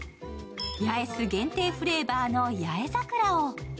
八重洲限定フレーバーの八重桜を。